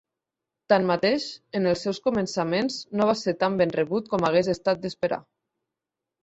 Tanmateix, en els seus començaments no va ser tan ben rebuts com hagués estat d'esperar.